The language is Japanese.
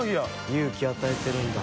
勇気与えてるんだ。